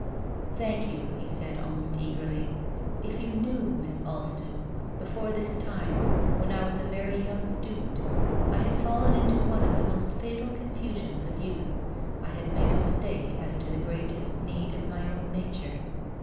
" Thank you," he said, almost eagerly. " If you knew — Miss Alston, before this time, when I was a very young student, I had fallen into one of the most fatal confusions of youth. I had made a mistake as to the greatest need of my own nature.